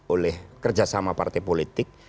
oleh kerjasama partai politik